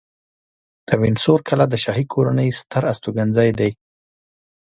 وینډسور کلا د شاهي کورنۍ ستر استوګنځی دی.